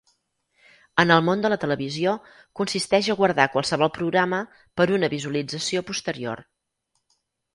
En el món de la televisió consisteix a guardar qualsevol programa per una visualització posterior.